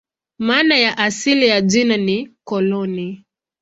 Maana asili ya jina ni "koloni".